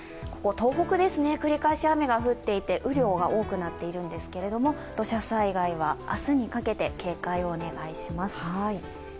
東北ですね、繰り返し雨が降っていて雨量が多くなっているんですが土砂災害は明日にかけて警戒をお願いします。